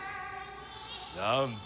何だ？